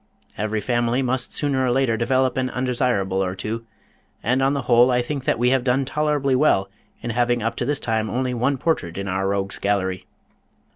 Every family must sooner or later develop an undesirable or two, and on the whole I think that we have done tolerably well in having up to this time only one portrait in our Rogues' Gallery.